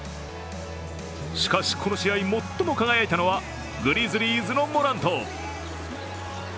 しかし、この試合最も輝いたのはグリズリーズのモラント。